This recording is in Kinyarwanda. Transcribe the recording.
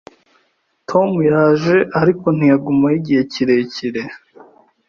Tom yaje, ariko ntiyagumaho igihe kirekire.